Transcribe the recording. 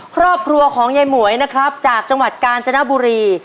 ครอบครัวของยายหมวยนะครับจากจังหวัดกาญจนบุรี